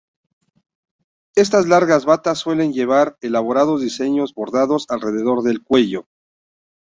Estas largas batas suelen llevar elaborados diseños bordados alrededor del cuello.